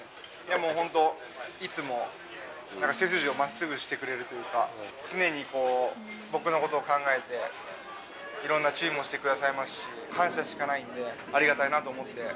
もう本当、いつもなんか背筋をまっすぐしてくれるというか、常に僕のことを考えて、いろんな注意もしてくださいますし、感謝しかないんで、ありがたいなと思って。